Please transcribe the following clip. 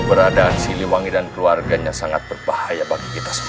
keberadaan siliwangi dan keluarganya sangat berbahaya bagi kita semua